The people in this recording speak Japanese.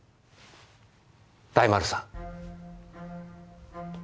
大丸さん。